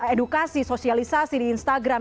edukasi sosialisasi di instagram